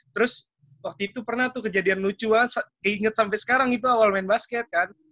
terus waktu itu pernah tuh kejadian lucuan keinget sampai sekarang itu awal main basket kan